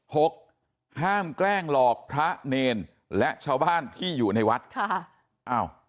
หกห้ามแกล้งหลอกพระเนรและชาวบ้านที่อยู่ในวัดค่ะอ้าว